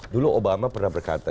dulu obama pernah berkata